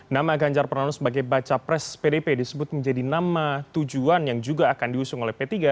nama ganjar pranowo sebagai baca pres pdp disebut menjadi nama tujuan yang juga akan diusung oleh p tiga